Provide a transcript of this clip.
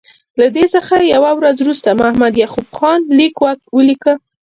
له دې څخه یوه ورځ وروسته محمد یعقوب خان لیک ولیکه.